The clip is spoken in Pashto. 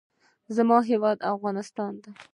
زما هېواد افغانستان.